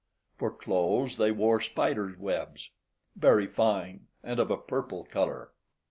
For clothes they wear spider's webs, very fine, and of a purple colour.